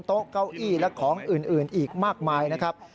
โต๊ะเก้าอี้และของอื่นอีกมากมายนะครับ